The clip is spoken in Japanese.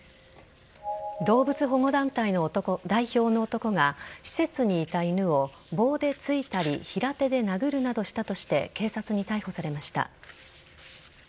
動物保護団体の代表の男が施設にいた犬を棒で突いたり平手で殴るなどしたとして警察に逮捕されました。